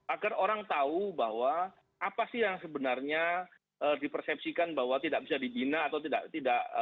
agar orang tahu bahwa apa sih yang sebenarnya dipersepsikan bahwa tidak bisa dibina atau tidak